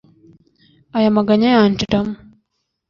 Aya maganya yanshiramo